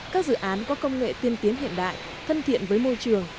các dự án có công nghệ tiên tiến hiện đại thân thiện với môi trường